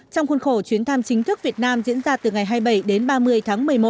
trong khuôn khổ chuyến thăm chính thức việt nam diễn ra từ ngày hai mươi bảy đến ba mươi tháng một mươi một